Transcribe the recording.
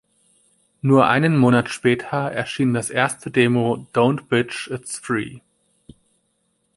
Nur einen Monat später erschien das erste Demo "Don’t Bitch, It’s Free".